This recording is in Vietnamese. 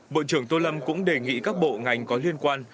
bộ trưởng tô lâm cũng đề nghị các bộ ngành có liên quan